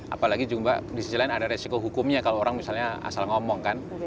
apalagi juga di sisi lain ada resiko hukumnya kalau orang misalnya asal ngomong kan